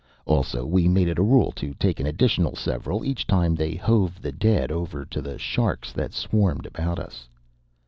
Also, we made it a rule to take an additional several each time they hove the dead over to the sharks that swarmed about us.